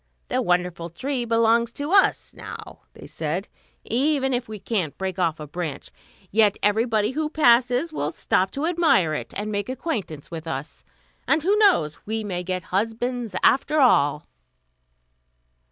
"The wonderful tree belongs to us now," they said; "even if we cannot break off a branch, yet everybody who passes will stop to admire it, and make acquaintance with us, and, who knows? we may get husbands after all."